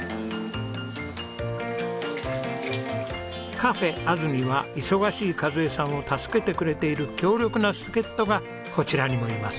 Ｃａｆａｓには忙しい和枝さんを助けてくれている強力な助っ人がこちらにもいます。